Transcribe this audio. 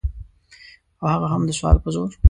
او هغه هم د سوال په زور.